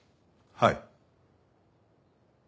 はい。